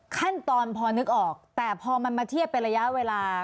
ขั้นตอนพอนึกออกแต่พอมันมาเทียบเป็นระยะเวลา